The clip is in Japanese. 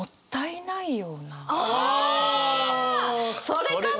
それかも！